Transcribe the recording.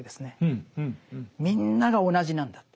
みんなが同じなんだと。